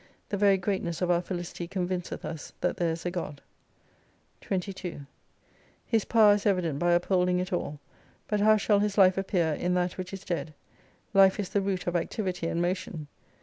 The very greatness of our felicity convinceth us that there is a God. 22 His power is evident by upholding it all. But how shall His life appear in that which is dead ? Life is the root of activity and motion.